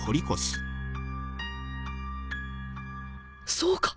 そうか！